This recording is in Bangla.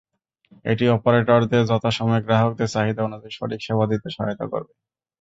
এটি অপারেটরদের যথাসময়ে গ্রাহকদের চাহিদা অনুযায়ী সঠিক সেবা দিতে সহায়তা করবে।